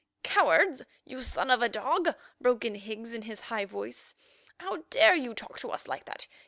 "Cowards! you son of a dog!" broke in Higgs in his high voice. "How dare you talk to us like that?